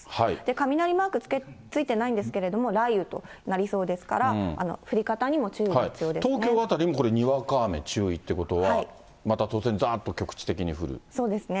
雷マークついてないんですけれども、雷雨となりそうですから、東京辺りもこれ、にわか雨注意ということは、そうですね。